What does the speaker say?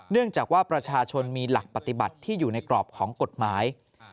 เนื่องจากว่าประชาชนมีหลักปฏิบัติที่อยู่ในกรอบของกฎหมาย